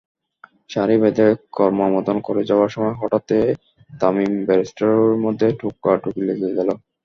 সারি বেঁধে করমর্দন করে যাওয়ার সময় হঠাৎই তামিম-বেয়ারস্টোর মধ্যে ঠোকাঠুকি লেগে গেল।